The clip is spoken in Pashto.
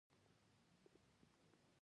د بیان ازادي مهمه ده ځکه چې برابري ساتي.